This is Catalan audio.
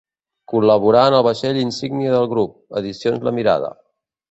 Col·laborà en el vaixell insígnia del grup, edicions La Mirada.